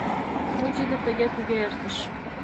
Ну, тиде тыге-туге эртыш.